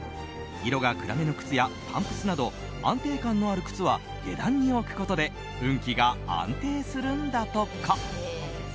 色が暗めの靴やパンプスなど安定感のある靴は下段に置くことで運気が安定するんだとか。